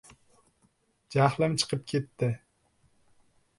Jahlim chiqib ketdi.